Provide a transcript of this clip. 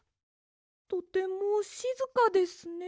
とてもしずかですね。